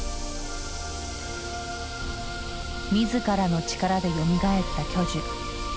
自らの力でよみがえった巨樹。